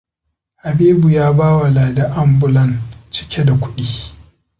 Habibu ya bawa Ladi anbulan cike da kuɗi.